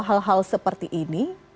hal hal seperti ini